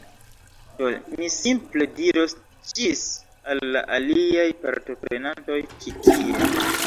Do, mi simple diros ĝis al la aliaj partoprenantoj ĉi tie